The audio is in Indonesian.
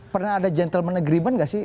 pernah ada gentleman agreement gak sih